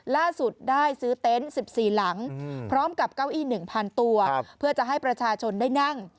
ล่าสุดได้ซื้อเต็นต์๑๔หลังพร้อมกับเก้าอี้๑๐๐๐ตัวเพื่อจะให้ประชาชนได้นั่ง